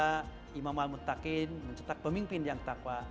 yang ketiga imam al mutakin mencetak pemimpin yang takwa